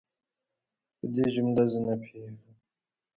زیات د بیر کمپنۍ په ارزښت پر هاینکن وپلوره.